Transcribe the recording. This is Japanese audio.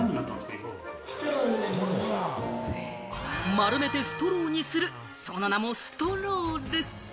丸めてストローにする、その名も「ストロール」。